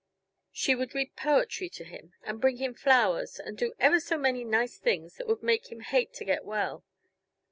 She would read poetry to him and bring him flowers, and do ever so many nice things that would make him hate to get well.